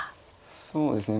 そうですね。